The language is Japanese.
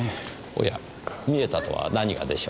おや見えたとは何がでしょう？